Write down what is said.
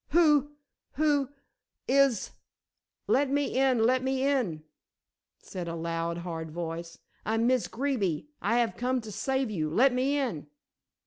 "Who who is " "Let me in; let me in," said a loud, hard voice. "I'm Miss Greeby. I have come to save you. Let me in."